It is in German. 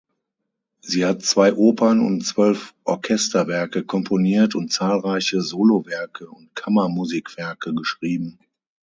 Sie hat zwei Opern und zwölf Orchesterwerke komponiert und zahlreiche Solowerke und Kammermusikwerke geschrieben.